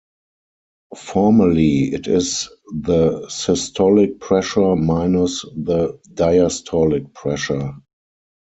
Formally it is the systolic pressure minus the diastolic pressure.